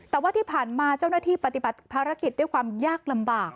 แต่ว่าที่ผ่านมาเจ้าหน้าที่ปฏิบัติภารกิจด้วยความยากลำบาก